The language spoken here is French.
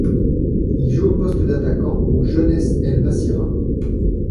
Il joue au poste d'attaquant aux Jeunesse El Massira.